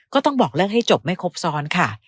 ก็ต้องบอกเลิกให้จบไม่ครบซ้อนค่ะ